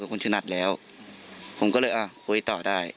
กับคุณทรแล้วผมก็เลยอ่ะคุยต่อได้